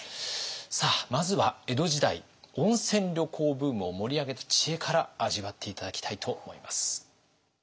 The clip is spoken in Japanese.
さあまずは江戸時代温泉旅行ブームを盛り上げた知恵から味わって頂きたいと思います。